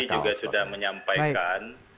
imigrasi juga sudah menyampaikan